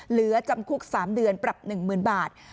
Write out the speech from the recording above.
เหลือจำคุก๓เดือนปรับ๑๐๐๐บาท